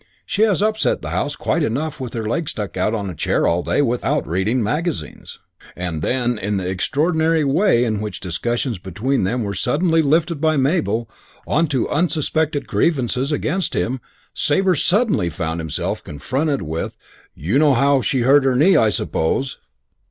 She has upset the house quite enough with her leg stuck out on a chair all day without reading magazines." And then in the extraordinary way in which discussions between them were suddenly lifted by Mabel on to unsuspected grievances against him, Sabre suddenly found himself confronted with, "You know how she hurt her knee, I suppose?"